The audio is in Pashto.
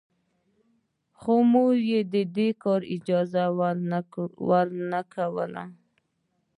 خو مور يې د کار اجازه نه ورکوله.